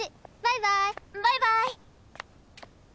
バイバイ。